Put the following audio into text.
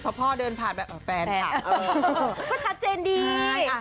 เพราะพ่อเดินผ่านแบบแบบแฟนค่ะเพราะชัดเจนดีใช่อ่า